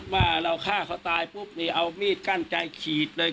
ว่าเราฆ่าเขาตายปุ๊บนี่เอามีดกั้นใจขีดเลย